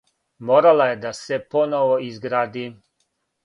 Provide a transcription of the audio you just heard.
Морала је да се поново изгради.